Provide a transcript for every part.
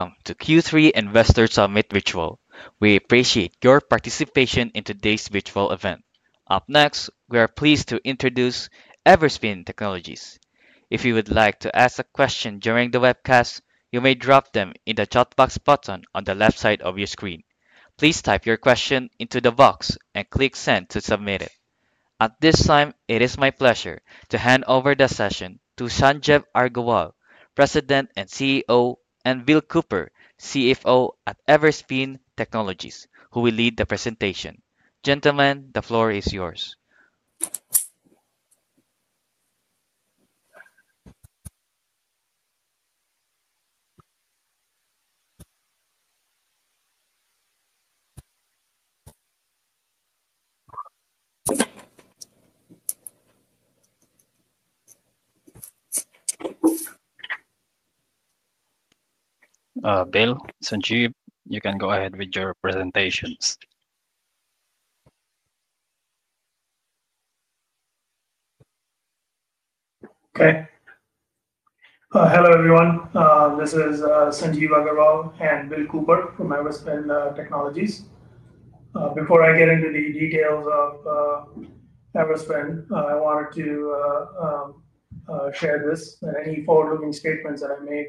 Welcome to Q3 Investor Summit Virtual. We appreciate your participation in today's virtual event. Up next, we are pleased to introduce Everspin Technologies. If you would like to ask a question during the webcast, you may drop them in the chat box button on the left side of your screen. Please type your question into the box and click "Send" to submit it. At this time, it is my pleasure to hand over the session to Sanjeev Aggarwal, President and CEO, and Bill Cooper, CFO at Everspin Technologies, who will lead the presentation. Gentlemen, the floor is yours. Bill, Sanjeev, you can go ahead with your presentations. Hello, everyone. This is Sanjeev Aggarwal and Bill Cooper from Everspin Technologies. Before I get into the details of Everspin, I wanted to share this that any forwarding statements that I make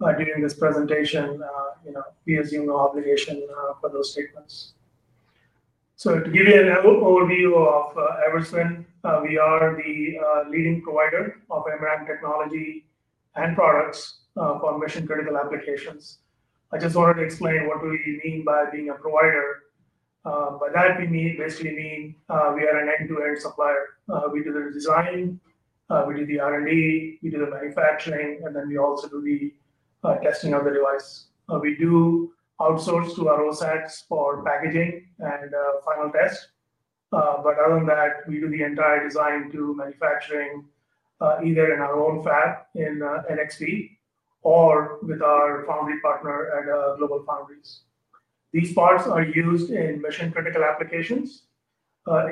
during this presentation, you know, we assume no obligation for those statements. To give you an overview of Everspin, we are the leading provider of embedded technology and products for mission-critical applications. I just wanted to explain what we mean by being a provider. By that, we mean basically we are an end-to-end supplier. We do the design, we do the R&D, we do the manufacturing, and then we also do the testing of the device. We do outsource to our OSATs for packaging and the final test. Other than that, we do the entire design to manufacturing, either in our own fab in Chandler or with our foundry partner at GlobalFoundries. These parts are used in mission-critical applications,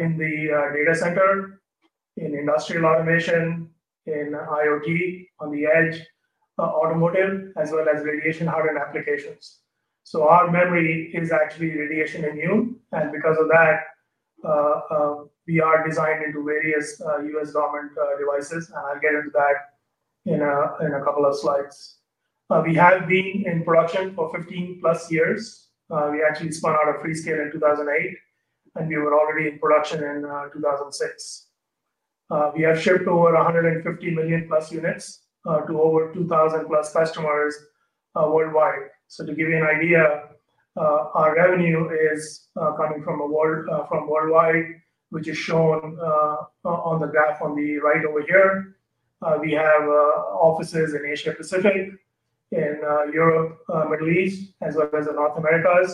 in the data center, in industrial automation, in IoT, on the edge, automotive, as well as radiation hardware applications. Our memory is actually radiation immune. Because of that, we are designed into various U.S. government devices. I'll get into that in a couple of slides. We have been in production for 15-plus years. We actually spun out of FreeScale in 2008, and we were already in production in 2006. We have shipped over 115 million-plus units to over 2,000-plus customers worldwide. To give you an idea, our revenue is coming from worldwide, which is shown on the graph on the right over here. We have offices in Asia, Europe, Middle East, as well as North America.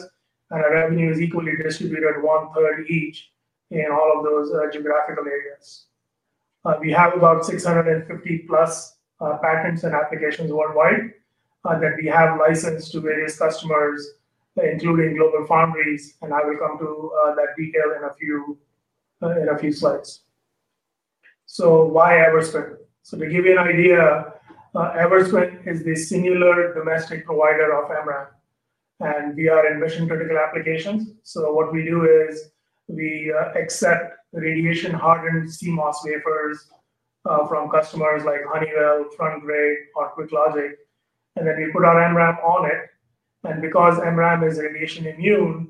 Our revenue is equally distributed one-third each in all of those geographical areas. We have about 650-plus patents and applications worldwide that we have licensed to various customers, including GlobalFoundries. I will come to that detail in a few slides. Why Everspin? To give you an idea, Everspin is the singular domestic provider of MRAM. We are in mission-critical applications. What we do is we accept radiation hardened CMOS wafers from customers like Honeywell or QuickLogic. Then we put our MRAM on it. Because MRAM is radiation immune,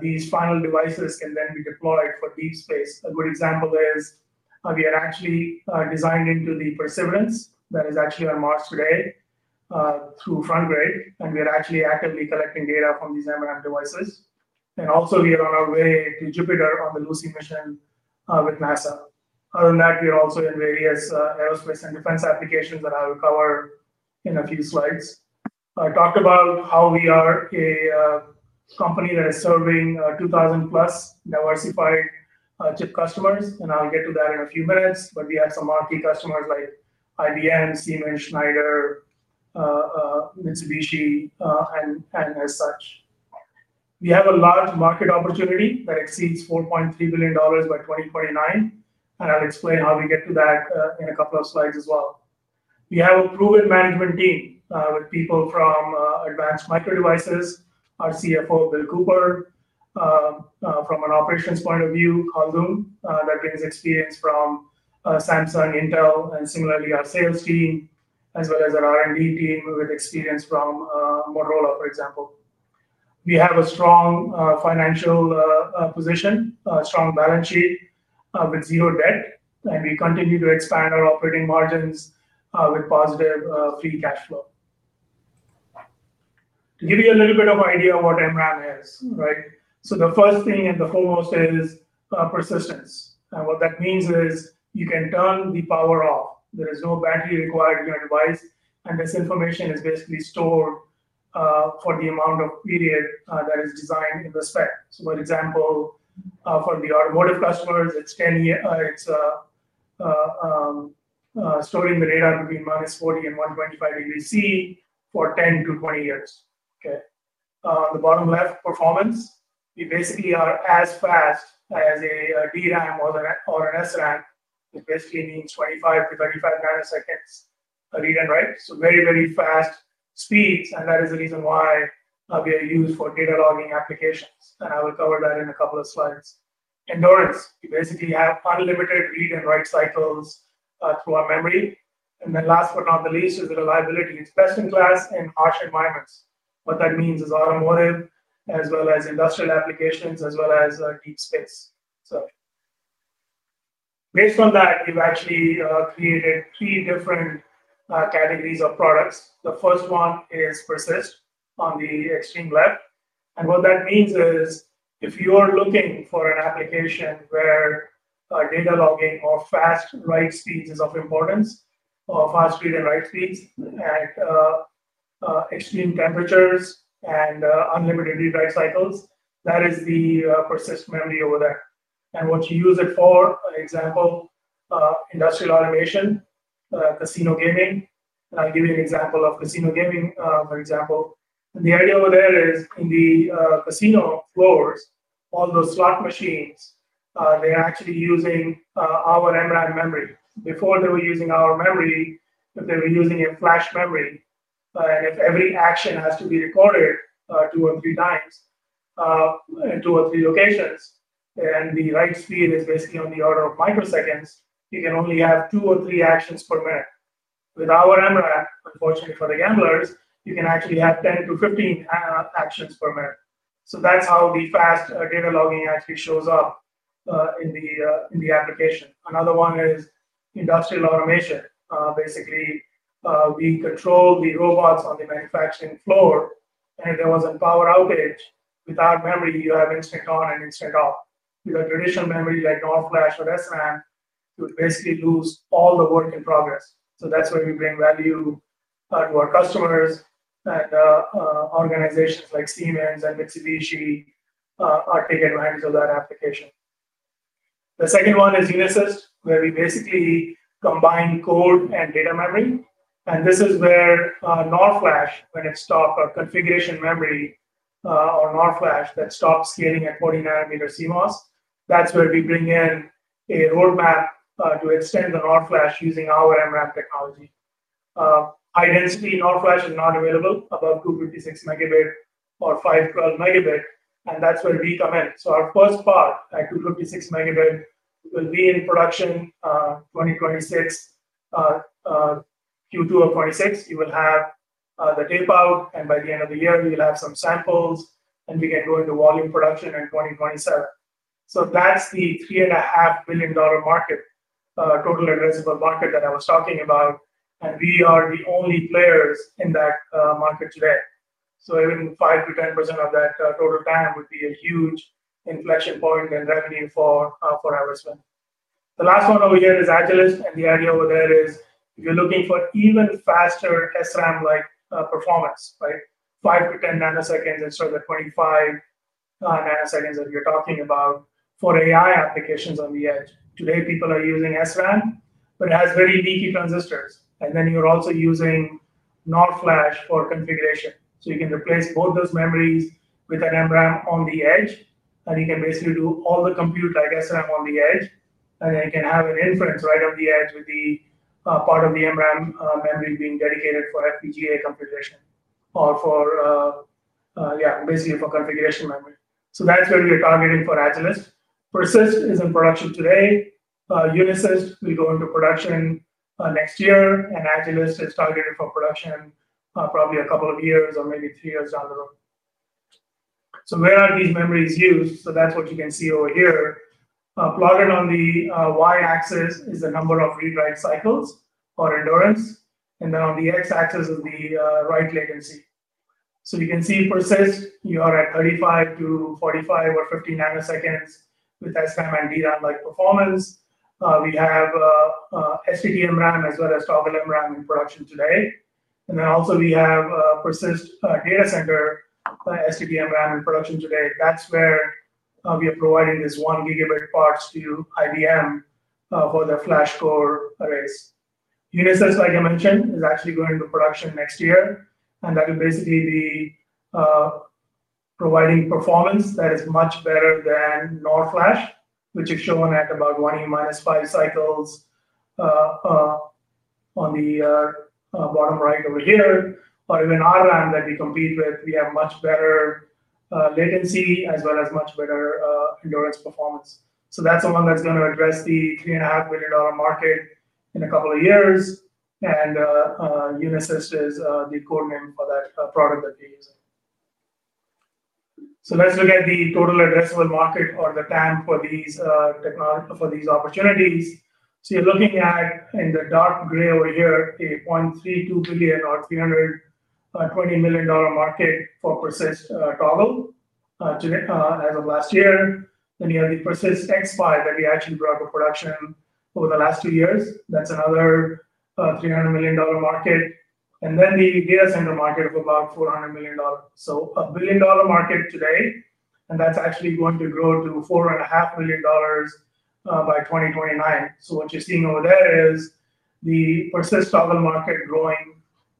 these final devices can then be deployed for deep space. A good example is we are actually designed into the Perseverance that is actually on Mars today through Honeywell. We are actually accurately collecting data from these MRAM devices. We are on our way to Jupiter on the Lucy mission with NASA. Other than that, we are also in various aerospace and defense applications that I will cover in a few slides. I talked about how we are a company that is serving 2,000-plus diversified chip customers. I'll get to that in a few minutes. We have some marquee customers like IBM, Siemens, Mitsubishi, and as such. We have a large market opportunity that exceeds $4.3 billion by 2029. I'll explain how we get to that in a couple of slides as well. We have a proven management team with people from Advanced Micro Devices, our CFO, Bill Cooper, from an operations point of view, Kazum, that brings experience from Samsung, Intel, and similarly, our sales team, as well as an R&D team with experience from Motorola, for example. We have a strong financial position, a strong balance sheet with zero debt. We continue to expand our operating margins with positive free cash flow. To give you a little bit of an idea of what MRAM is, right? The first thing and the foremost there is persistence. What that means is you can turn the power off. There is no battery required in your device. This information is basically stored for the amount of period that is designed in the spec. For example, for the automotive customers, it's storing the data between minus 40 and 125 degrees C for 10 to 20 years. On the bottom left, performance. We basically are as fast as a DRAM or an SRAM. It basically means 25 to 35 nanoseconds read and write. Very, very fast speeds. That is the reason why they are used for data logging applications. I will cover that in a couple of slides. Endurance. We basically have unlimited read and write cycles through our memory. Last but not the least is the reliability. It's best in class in harsh environments. What that means is automotive, as well as industrial applications, as well as deep space. Based on that, we've actually created three different categories of products. The first one is Persist on the extreme left. What that means is if you are looking for an application where data logging or fast write speeds are of importance, or fast read and write speeds, and extreme temperatures, and unlimited read-write cycles, that is the Persist memory over there. What you use it for, for example, industrial automation, casino gaming. I'll give you an example of casino gaming, for example. The idea over there is in the casino boards, on those slot machines, they are actually using our MRAM memory. Before they were using our memory, they were using a flash memory. If every action has to be recorded two or three times in two or three locations, and the write speed is basically on the order of microseconds, you can only have two or three actions per minute. With our MRAM, unfortunately for the gamblers, you can actually have 10 to 15 actions per minute. That's how the fast data logging actually shows up in the application. Another one is industrial automation. Basically, we control the robots on the manufacturing floor. If there was a power outage, with our memory, you have instant on and instant off. With a traditional memory like NOR flash or SRAM, you basically lose all the work in progress. That's where we bring value to our customers. Organizations like Siemens and Mitsubishi are taking advantage of that application. The second one is Genesis, where we basically combine code and data memory. This is where NOR flash, when it stops our configuration memory on NOR flash that stops scaling at 49 millimeter CMOS, that's where we bring in a roadmap to extend the NOR flash using our MRAM technology. Identically, NOR flash is not available above 256 megabit or 512 megabit. That's where we come in. Our first part at 256 megabit will be in production 2026, Q2 of 2026. You will have the tape out, and by the end of the year, we will have some samples. We can go into volume production in 2027. That's the $3.5 billion market, total addressable market that I was talking about. We are the only players in that market today. Even 5% to 10% of that total time would be a huge inflection point in revenue for Everspin. The last one over here is AgILYST. The idea over there is you're looking for even faster SRAM-like performance, right? 5 to 10 nanoseconds instead of the 25 nanoseconds that you're talking about for AI applications on the edge. Today, people are using SRAM, but it has very leaky transistors. Then you're also using NOR flash for configuration. You can replace both those memories with an MRAM on the edge. You can basically do all the compute like SRAM on the edge, and then you can have an inference right on the edge with the part of the MRAM memory being dedicated for FPGA computation or for, yeah, basically for configuration memory. That's where we are targeting for AgILYST. PERSYST is in production today. Genesis, we go into production next year. AgILYST is targeted for production probably a couple of years or maybe three years down the road. Where are these memories used? That's what you can see over here. Plotted on the y-axis is the number of read-write cycles or endurance. The x-axis is the write latency. You can see PERSYST, you are at 35 to 45 or 50 nanoseconds with SRAM and DRAM-like performance. We have STT-MRAM as well as Toggle MRAM in production today. We also have PERSYST Data Center STT-MRAM in production today. That's where we are providing these 1-gigabit parts to IBM for the FlashCore arrays. Genesis, like I mentioned, is actually going into production next year. That will basically be providing performance that is much better than NOR flash, which is shown at about 1E-5 cycles on the bottom right over here. With our MRAM that we compete with, we have much better latency as well as much better endurance performance. That's the one that's going to address the $3.5 billion market in a couple of years. Genesis is the equivalent for that product that we're using. Let's look at the total addressable market or the TAM for these technologies for these opportunities. You're looking at, in the dark gray over here, a $320 million market for PERSYST Toggle as of last year. Then you have the PERSYST X5 that we actually brought to production over the last two years. That's another $300 million market. The data center market is about $400 million. A billion-dollar market today is actually going to grow to $4.5 billion by 2029. What you're seeing over there is the PERSYST Toggle market growing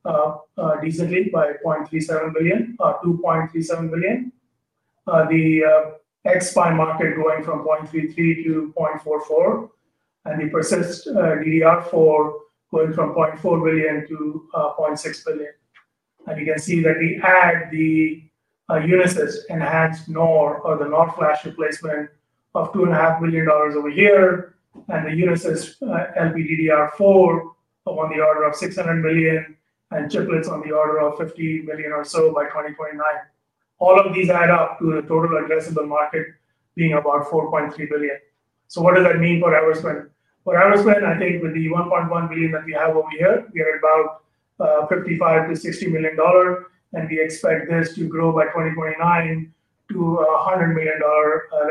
up decently by $370 million, $2.37 billion. The X5 market is growing from $330 million to $440 million. The PERSYST DDR4 is going from $400 million to $600 million. You can see that we add the Genesis enhanced NOR or the NOR flash replacement of $2.5 billion over here. The Genesis MPDDR4 is on the order of $600 million. AgILYST is on the order of $50 million or so by 2029. All of these add up to the total addressable market being about $4.3 billion. What does that mean for Everspin? For Everspin, I think with the $1.1 billion that we have over here, we are at about $55 to $60 million. We expect this to grow by 2029 to a $100 million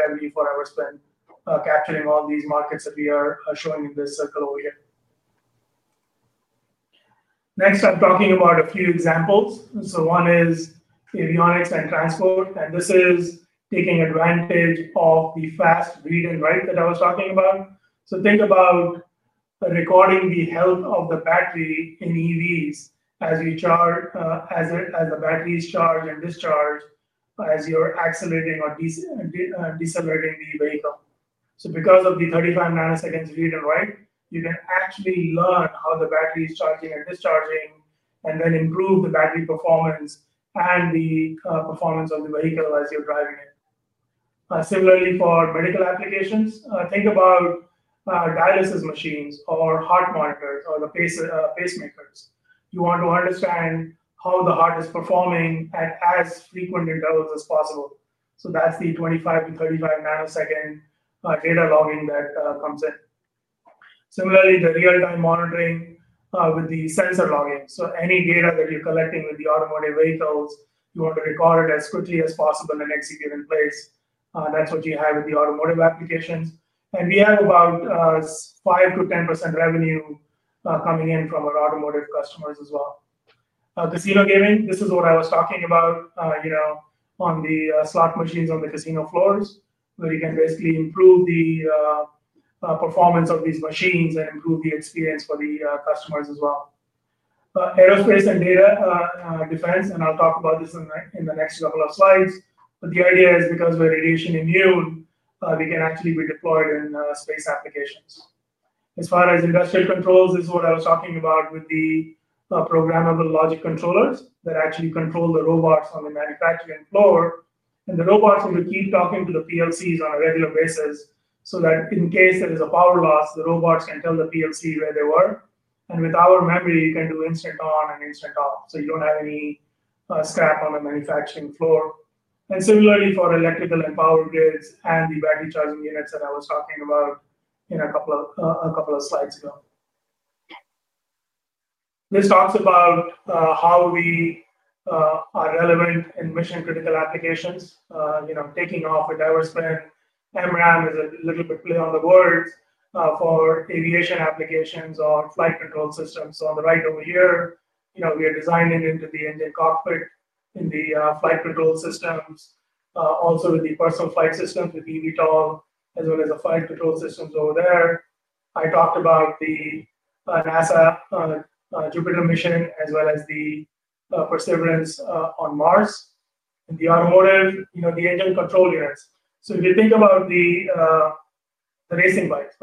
revenue for Everspin, capturing all these markets that we are showing in this circle over here. Next, I'm talking about a few examples. One is Avionics and Transport. This is taking advantage of the fast read and write that I was talking about. Think about recording the health of the battery in EVs as you charge, as the batteries charge and discharge as you're accelerating or decelerating the vehicle. Because of the 35 nanoseconds read and write, you can actually learn how the battery is charging and discharging and then improve the battery performance and the performance of the vehicle as you're driving it. Similarly, for medical applications, think about dialysis machines or heart monitors or the pacemakers. You want to understand how the heart is performing at as frequent intervals as possible. That's the 25 to 35 nanosecond data logging that comes in. Similarly, the real-time monitoring with the sensor logging. Any data that you're collecting with the automotive vehicles, you want to record it as quickly as possible the next you get in place. That's what you have with the automotive applications. We have about 5% to 10% revenue coming in from our automotive customers as well. Casino gaming, this is what I was talking about, you know, on the slot machines on the casino floors, where you can basically improve the performance of these machines and improve the experience for the customers as well. Aerospace and data and defense, I'll talk about this in the next couple of slides. The idea is because we're radiation immune, we can actually be deployed in space applications. As far as industrial controls, this is what I was talking about with the programmable logic controllers that actually control the robots on the manufacturing floor. The robots will keep talking to the PLCs on a regular basis so that in case there is a power loss, the robots can tell the PLC where they were. With our memory, you can do instant on and instant off. You don't have any scrap on the manufacturing floor. Similarly, for electrical and power grids and the battery charging units that I was talking about a couple of slides ago. This talks about how we are relevant in mission-critical applications. Taking off a Everspin MRAM is a little bit clear on the words for aviation applications or flight control systems. On the right over here, we are designing into the engine cockpit in the flight control systems, also with the personal flight systems with EVTOL, as well as the flight control systems over there. I talked about the NASA Jupiter mission, as well as the Perseverance on Mars. The automotive, the engine control units. If you think about the racing bikes,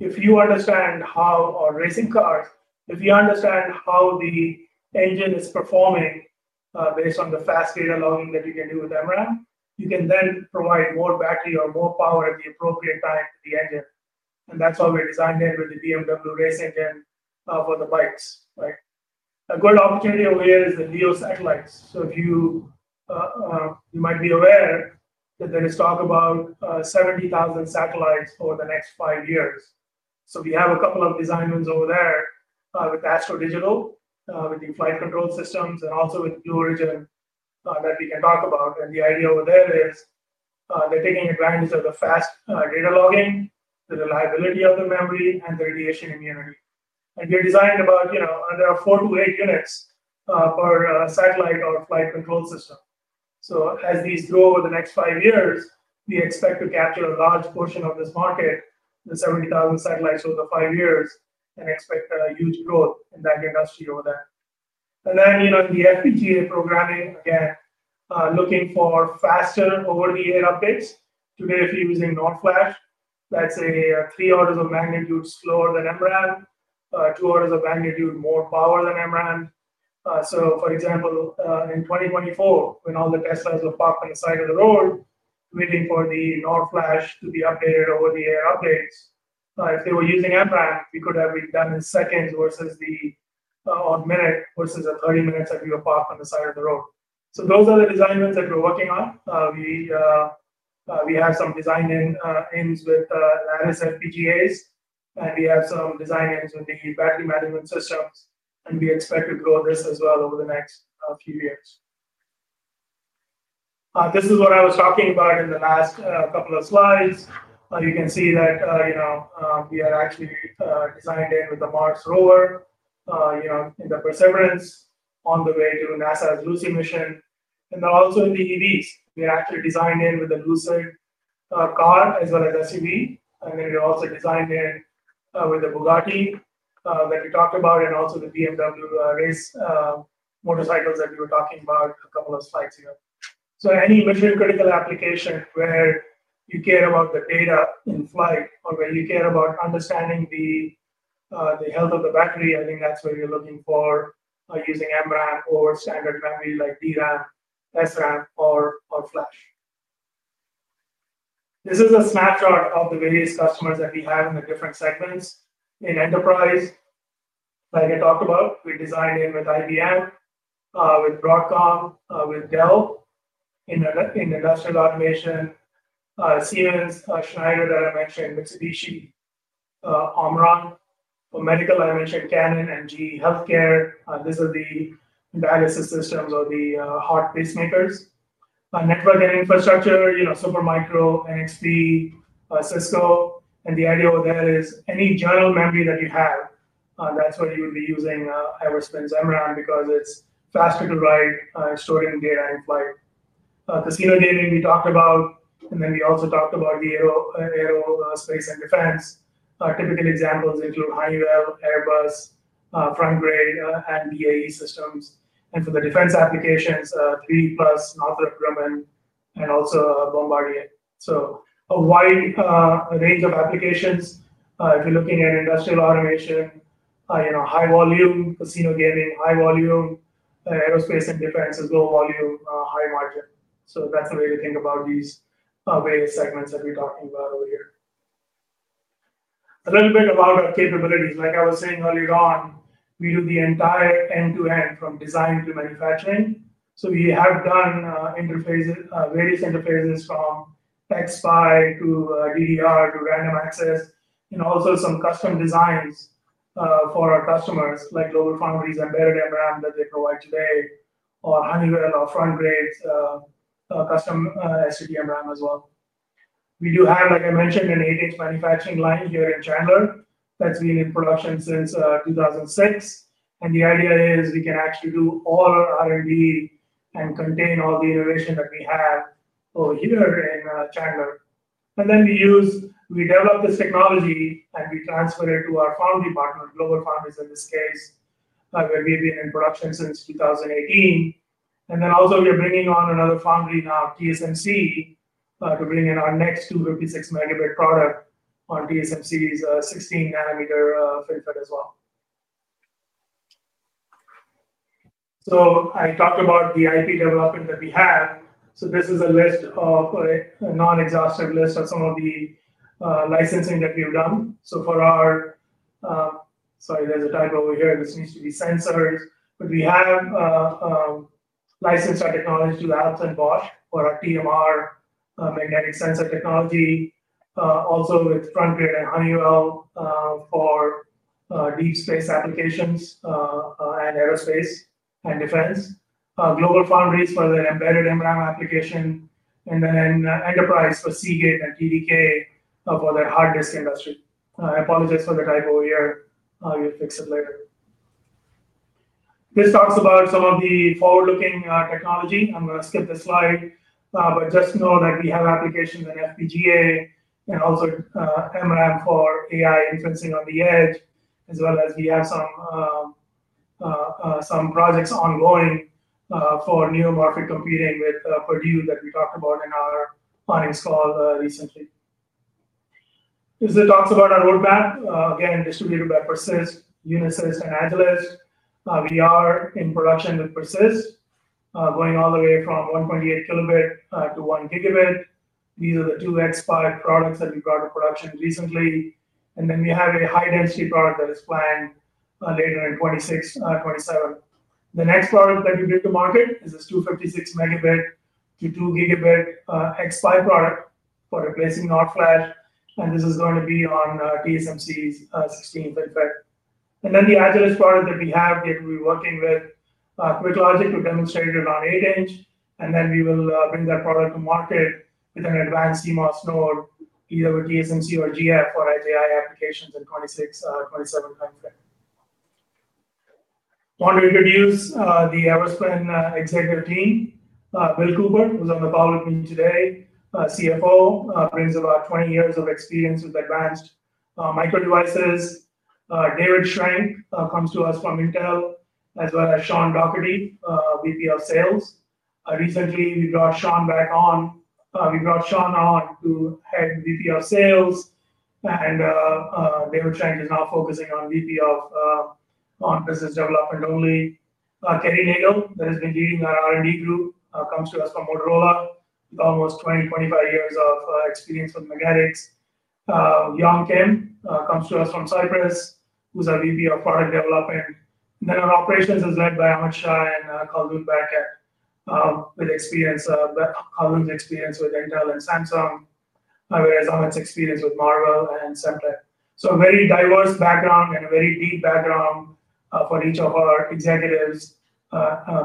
if you understand how our racing cars, if you understand how the engine is performing based on the fast data logging that we can do with MRAM, you can then provide more battery or more power at the appropriate time to the engine. That's how we're designing with the BMW racing kit for the bikes. A good opportunity over here is the NEO satellites. You might be aware that there is talk about 70,000 satellites over the next five years. We have a couple of design rooms over there with AstroDigital with the flight control systems and also with Blue Origin that we can talk about. The idea over there is they're taking advantage of the fast data logging, the reliability of the memory, and the radiation immunity. We're designing about under four to eight units per satellite or flight control system. As we grow over the next five years, we expect to capture a large portion of this market, the 70,000 satellites over the five years, and expect a huge growth in the industry over there. In the FPGA programming, again, looking for faster over-the-air updates if you're using NOR flash. That's at three orders of magnitude slower than MRAM, two orders of magnitude more power than MRAM. For example, in 2024, when all the Teslas were parked on the side of the road, waiting for the NOR flash to be updated over-the-air updates. If they were using MRAM, we could have it done in seconds or minutes versus 30 minutes that you were parked on the side of the road. Those are the design rooms that we're working on. We have some design in with Lattice FPGAs. We have some designs with the battery management systems. We expect to grow this as well over the next few years. This is what I was talking about in the last couple of slides. You can see that we are actually designed in with the Mars rover, in the Perseverance on the way to NASA's Lucy mission. Also in the EVs, we are actually designed in with the Lucid car as well as SUV. We also designed in with Bugatti that we talked about and also the BMW race motorcycles that we were talking about a couple of slides ago. Any mission-critical application where you care about the data in flight or where you care about understanding the health of the battery, I think that's where you're looking for using MRAM or standard memory like DRAM, SRAM, or NOR flash. This is a snapshot of the various customers that we have in the different segments in enterprise. Like I talked about, we designed in with IBM, with Broadcom, with Dell. In industrial automation, Siemens, Schneider that I mentioned, Mitsubishi, Omron. For medical, I mentioned Canon and GE Healthcare. This is the dialysis systems or the heart pacemakers. Network and infrastructure, you know, Supermicro and HP, Cisco. The idea over there is any general memory that you have, that's where you would be using Everspin's MRAM because it's faster to write and storing data in flight. Casino gaming we talked about. We also talked about the aerospace and defense. Typical examples include Honeywell, Airbus Frontgrade, and the BAE Systems. For the defense applications, Northrop Grumman and also Bombardier. A wide range of applications. If you're looking at industrial automation, high volume, casino gaming, high volume, aerospace and defense is low volume, high margin. That's the way you think about these various segments that we talked about over here. A little bit about our capabilities. Like I was saying earlier on, we do the entire end-to-end from design to manufacturing. We have done various interfaces from XPI to DDR to random access and also some custom designs for our customers like GlobalFoundries Embedded MRAM that they provide today or Honeywell or Frontgrade's custom STT-MRAM as well. We do have, like I mentioned, an 8-inch manufacturing line here in Chandler. That's been in production since 2006. The idea is we can actually do all our R&D and contain all the innovation that we have over here in Chandler. We develop this technology and we transfer it to our foundry partner, GlobalFoundries in this case, where we've been in production since 2018. We are bringing on another foundry now, TSMC, to bring in our next 256-megabit product on TSMC's 16-nanometer filter as well. I talked about the IP development that we have. This is a non-exhaustive list of some of the licensing that we've done. For our—sorry, there's a typo over here. This needs to be sensors. We have licensed our technology to AlphaVault for our TMR magnetic sensor technology. Also, with Frontgrade Technologies and Honeywell for deep space applications and aerospace and defense. GlobalFoundries for their embedded MRAM application. In enterprise, for Seagate and TDK for their hard disk industry. I apologize for the typo here. I'll get it fixed later. This talks about some of the forward-looking technology. I'm going to skip this slide. Just know that we have applications in FPGA and also MRAM for AI inferencing on the edge, as well as some projects ongoing for neuromorphic computing with Purdue University that we talked about in our earnings call recently. This talks about our roadmap. Again, distributed by PERSYST, Genesis, and AgILYST. We are in production with PERSYST, going all the way from 1.8 kilobit to 1 gigabit. These are the two X5 products that we brought to production recently. We have a high-density product that is planned later in 2026, 2027. The next product that we bring to market is this 256-megabit to 2-gigabit X5 product for replacing NOR flash. This is going to be on TSMC's 16-nanometer and 10-nanometer. The AgILYST product that we have, we're working with QuickLogic to demonstrate with our 8-inch. We will bring that product to market with an advanced CMOS node, either with TSMC or GlobalFoundries for FDI applications in 2026, 2027 coming up. I want to introduce the Everspin executive team. Bill Cooper, who's on the call with me today, CFO, brings about 20 years of experience with Advanced Micro Devices. David Schrank comes to us from Intel, as well as Sean Dougherty, VP of Sales. Recently, we brought Sean on to head VP of Sales. David Schrank is now focusing on VP of Business Development only. Kenny Nagel, who is leading our R&D group, comes to us from Motorola. Almost 20, 25 years of experience with magnetics. Jan Kemp comes to us from Cypress, who's our VP of Product Development. Our operations is led by Amit Shah and Kalvus Bergkjær, with experience with Intel and Samsung, whereas Amit's experience is with Marvell and Semtech. A very diverse background and a very deep background for each of our executives,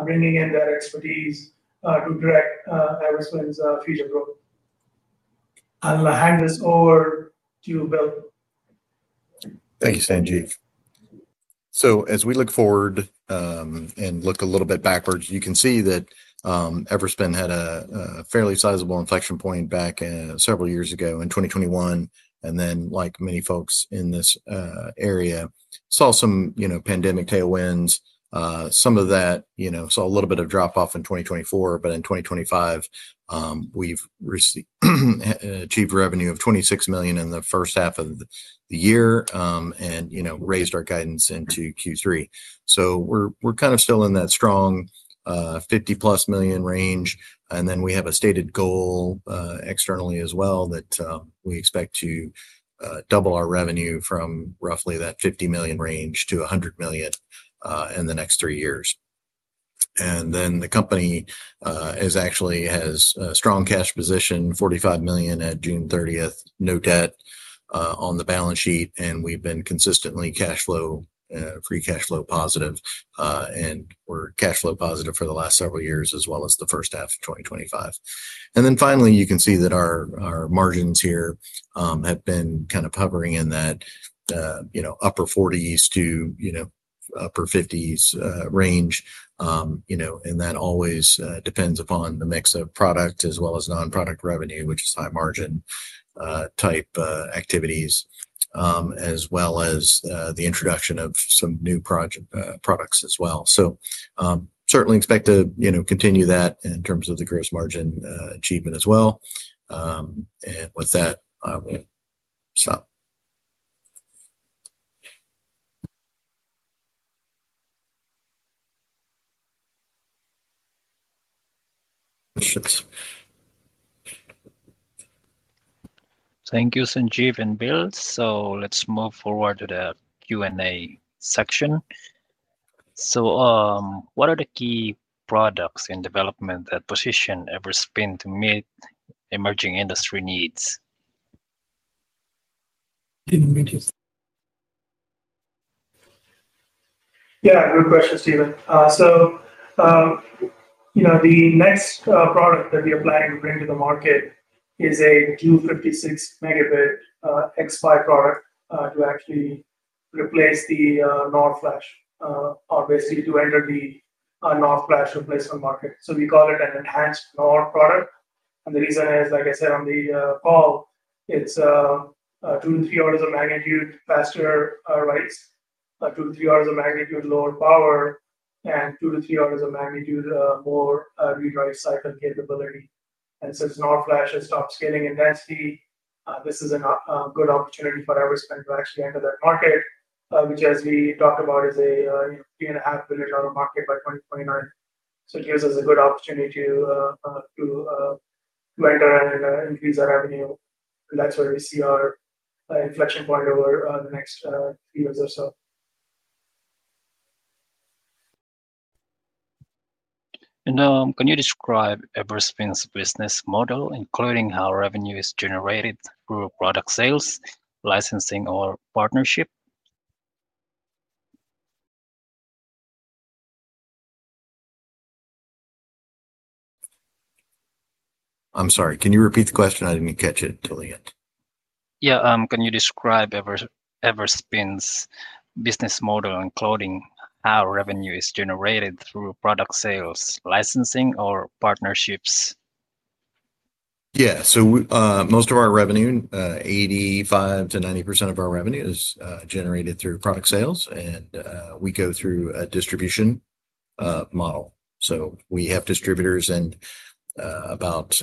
bringing in their expertise to drive Everspin's future growth. I'm going to hand this over to Bill. Thanks, Sanjeev. As we look forward and look a little bit backwards, you can see that Everspin had a fairly sizable inflection point back several years ago in 2021. Like many folks in this area, we saw some pandemic tailwinds. Some of that saw a little bit of drop-off in 2024. In 2025, we've achieved revenue of $26 million in the first half of the year and raised our guidance into Q3. We're kind of still in that strong $50+ million range. We have a stated goal externally as well that we expect to double our revenue from roughly that $50 million range to $100 million in the next three years. The company actually has a strong cash position, $45 million at June 30, no debt on the balance sheet. We've been consistently free cash flow positive. We're cash flow positive for the last several years, as well as the first half of 2025. You can see that our margins here have been kind of hovering in that upper 40% to upper 50% range. That always depends upon the mix of product as well as non-product revenue, which is high margin type activities, as well as the introduction of some new products as well. Certainly expect to continue that in terms of the gross margin achievement as well. With that, I will stop. Thank you, Sanjeev and Bill. Let's move forward to the Q&A section. What are the key products in development that position Everspin to meet emerging industry needs? Yeah, good question, Steven. The next product that we are planning to bring to the market is a 256-megabit X5 product to actually replace the NOR flash, obviously, to enter the NOR flash replacement market. We call it an enhanced NOR product. The reason is, like I said on the call, it's two to three orders of magnitude faster writes, two to three orders of magnitude lower power, and two to three orders of magnitude more read-write cycle capability. Since NOR flash has stopped scaling in density, this is a good opportunity for Everspin to actually enter that market, which, as we talked about, is a $3.5 billion market by 2029. It gives us a good opportunity to enter and increase that revenue. That's where we see our inflection point over the next three years or so. Can you describe Everspin's business model, including how revenue is generated through product sales, licensing, or partnership? I'm sorry, can you repeat the question? I didn't catch it until the end. Yeah. Can you describe Everspin's business model, including how revenue is generated through product sales, licensing, or partnerships? Yeah. Most of our revenue, 85% to 90% of our revenue, is generated through product sales. We go through a distribution model, so we have distributors. About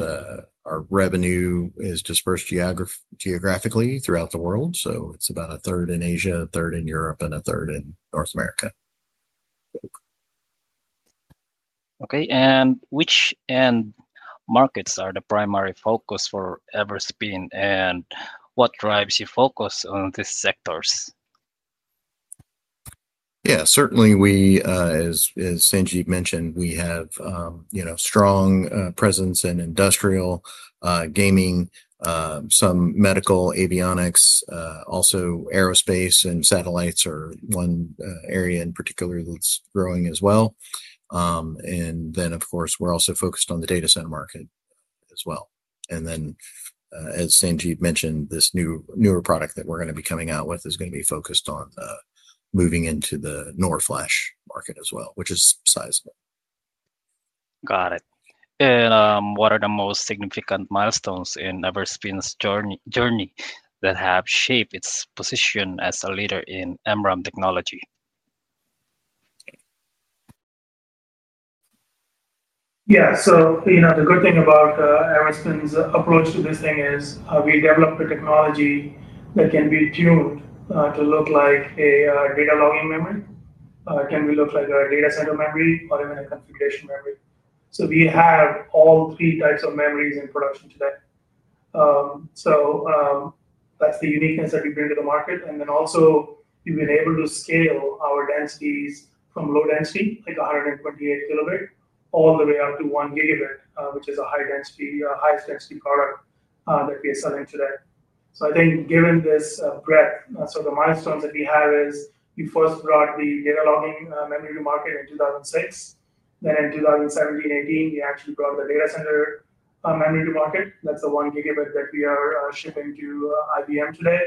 our revenue is dispersed geographically throughout the world. It's about a third in Asia, a third in Europe, and a third in North America. OK. Which markets are the primary focus for Everspin? What drives your focus on these sectors? Yeah, certainly, we, as Sanjeev mentioned, we have strong presence in industrial, gaming, some medical, avionics, also aerospace, and satellites are one area in particular that's growing as well. Of course, we're also focused on the data center market as well. As Sanjeev mentioned, this newer product that we're going to be coming out with is going to be focused on moving into the NOR flash market as well, which is sizable. Got it. What are the most significant milestones in Everspin's journey that have shaped its position as a leader in MRAM technology? Yeah. The good thing about Everspin's approach to this thing is we developed a technology that can be tuned to look like a data logging memory. It can be looked like a data center memory or even a configuration memory. We have all three types of memories in production today. That's the uniqueness that we bring to the market. We've been able to scale our densities from low density, like 128 kilobit, all the way up to 1 gigabit, which is a high density, highest density product that we're selling today. I think given this growth, the milestones that we have is we first brought the data logging memory to market in 2006. In 2017/2018, we actually brought the data center memory to market. That's the 1 gigabit that we are shipping to IBM today.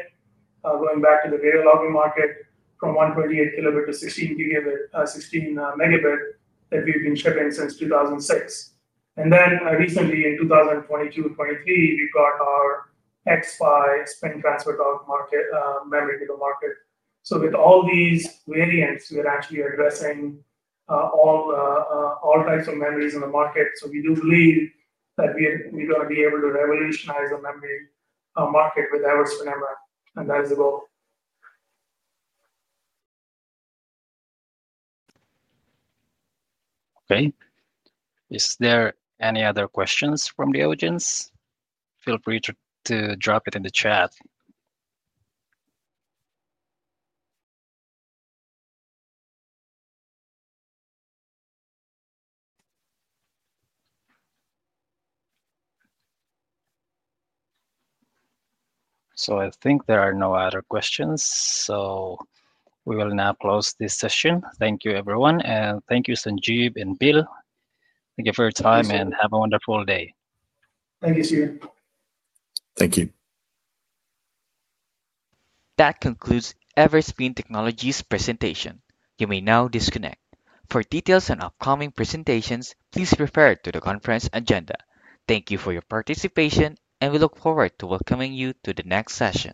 Going back to the data logging market from 128 kilobit to 16 megabit that we've been shipping since 2006. Recently, in 2022/2023, we brought our X5 Spin-Transfer Torque MRAM memory to the market. With all these variants, we are actually addressing all types of memories in the market. We do believe that we're going to be able to revolutionize the memory market with Everspin MRAM. That is the goal. OK. Are there any other questions from the audience? Feel free to drop it in the chat. I think there are no other questions. We will now close this session. Thank you, everyone. Thank you, Sanjeev and Bill. Thank you for your time. Have a wonderful day. Thank you, Steven. Thank you. That concludes Everspin Technologies' presentation. You may now disconnect. For details and upcoming presentations, please refer to the conference agenda. Thank you for your participation. We look forward to welcoming you to the next session.